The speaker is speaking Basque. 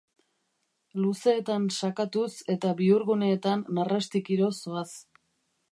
Luzeetan sakatuz eta bihurguneetan narrastikiro zoaz.